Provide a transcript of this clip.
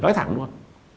nói thẳng luôn